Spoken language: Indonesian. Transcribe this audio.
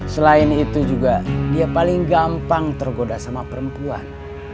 selain itu juga dia paling gampang tergoda sama perempuan